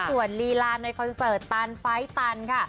ส่วนลีลาในคอนเสิร์ตตันไฟล์ตันค่ะ